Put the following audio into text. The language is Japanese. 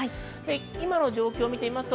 今の状況を見てみます。